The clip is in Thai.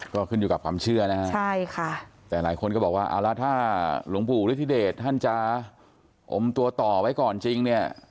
ก็ขึ้นอยู่กับความเชื่อนะฮะใช่ค่ะแต่หลายคนก็บอกว่าเอาละถ้าหลวงปู่ฤทธิเดชท่านจะอมตัวต่อไว้ก่อนจริงเนี่ย